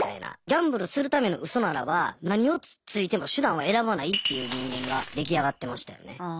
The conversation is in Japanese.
ギャンブルするためのウソならば何をついても手段は選ばないっていう人間が出来上がってましたよね。